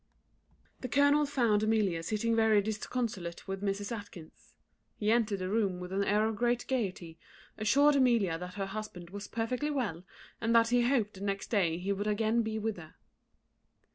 _ The colonel found Amelia sitting very disconsolate with Mrs. Atkinson. He entered the room with an air of great gaiety, assured Amelia that her husband was perfectly well, and that he hoped the next day he would again be with her.